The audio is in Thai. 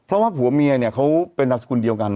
เพราะว่าผัวเมียเนี่ยเขาเป็นนามสกุลเดียวกัน